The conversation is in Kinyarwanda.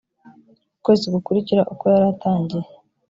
ukwezi gukurikira uko yaratangiye